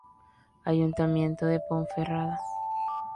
Ayuntamiento de Ponferrada".